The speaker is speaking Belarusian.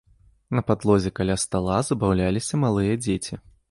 На падлозе каля стала забаўляліся малыя дзеці.